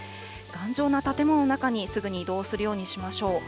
頑丈な建物の中にすぐに移動するようにしましょう。